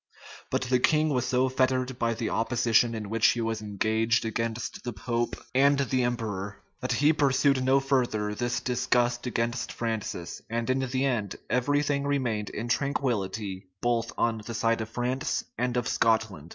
But the king was so fettered by the opposition in which he was engaged against the pope and the emperor, that he pursued no further this disgust against Francis; and in the end, every thing remained in tranquillity both on the side of France and of Scotland.